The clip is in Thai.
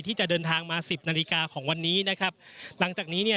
ที่จะเดินทางมาสิบนาฬิกาของวันนี้นะครับหลังจากนี้เนี่ย